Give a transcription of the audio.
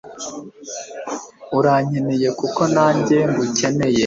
urankeneye nkuko nanjye ngukeneye